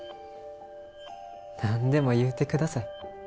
何でも言うて下さい。